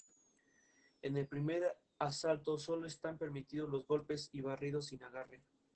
En el primer asalto sólo están permitidos los golpes y barridos sin agarre.